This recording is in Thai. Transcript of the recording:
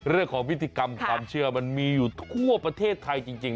วิธีกรรมความเชื่อมันมีอยู่ทั่วประเทศไทยจริง